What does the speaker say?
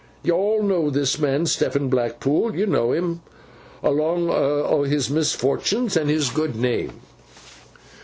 You all know this man Stephen Blackpool. You know him awlung o' his misfort'ns, and his good name.